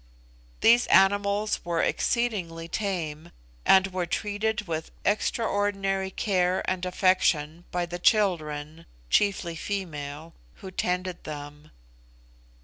These animals were exceedingly tame, and were treated with extraordinary care and affection by the children (chiefly female) who tended them.